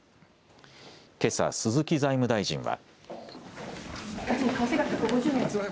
けさ鈴木財務大臣は。